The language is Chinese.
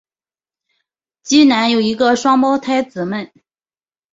基南有一个双胞胎姊妹。